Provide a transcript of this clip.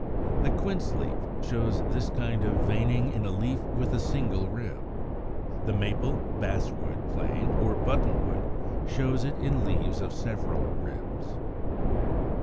The Quince leaf, in Fig. 112, shows this kind of veining in a leaf with a single rib. The Maple, Basswood, Plane or Buttonwood (Fig. 74) show it in leaves of several ribs.